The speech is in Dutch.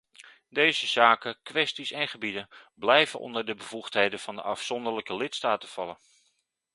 Deze zaken, kwesties en gebieden blijven onder de bevoegdheden van de afzonderlijke lidstaten vallen.